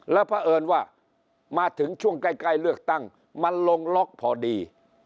แล้วเพราะเอิญว่ามาถึงช่วงใกล้เลือกตั้งมันลงล็อกพอดี